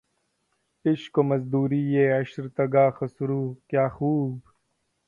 عشق و مزدوریِ عشر تگہِ خسرو‘ کیا خوب!